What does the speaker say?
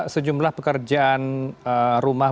sejumlah pekerjaan rumah